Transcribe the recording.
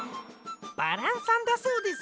「バラン」さんだそうです。